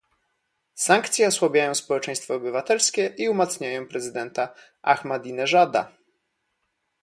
sankcje osłabiają społeczeństwo obywatelskie i umacniają prezydenta Ahmadineżada